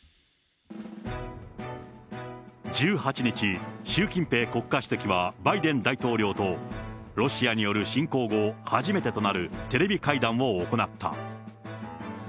１８日、習近平国家主席はバイデン大統領と、ロシアによる侵攻後初めてとなるテレビ会談を行った。